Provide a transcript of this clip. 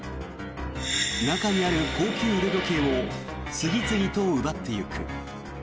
中にある高級腕時計を次々と奪っていく。